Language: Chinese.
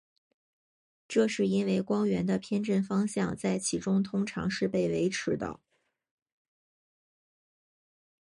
这是因为光源的偏振方向在其中通常是被维持的。